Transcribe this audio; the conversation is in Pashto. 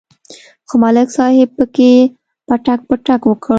خو ملک صاحب پکې پټک پټک وکړ.